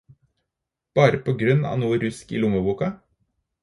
Bare på grunn av noe rusk i lommeboka